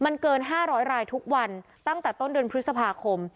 มันเกิน๕๐๐รายทุกวันตั้งแต่ต้นเดือนพฤษภาคม